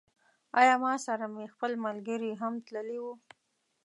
له ما سره مې خپل ملګري هم تللي وه.